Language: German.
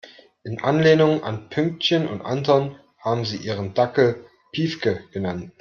In Anlehnung an Pünktchen und Anton haben sie ihren Dackel Piefke genannt.